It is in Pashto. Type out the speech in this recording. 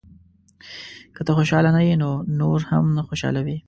• که ته خوشحاله نه یې، نو نور هم نه خوشحالوې.